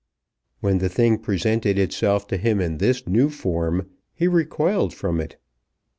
When the thing presented itself to him in this new form, he recoiled from it.